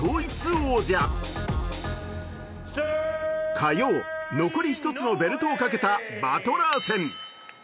火曜、残り１つのベルトをかけたバトラー戦。